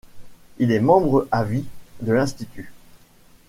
Il est membre à vie de l'Institut.